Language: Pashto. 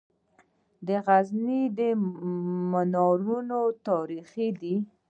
د غزني منارونه تاریخي دي